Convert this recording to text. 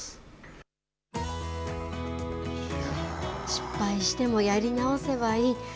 失敗してもやり直せばいい。